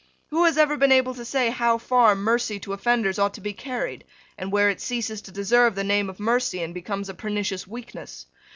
Who has ever been able to say how far mercy to offenders ought to be carried, and where it ceases to deserve the name of mercy and becomes a pernicious weakness?